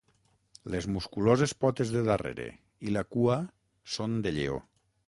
Les musculoses potes de darrere i la cua són de lleó.